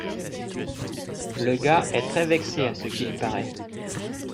le gars est très vexé à ce qu'il parait.